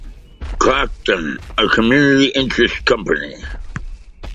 Clacton, a community interest company.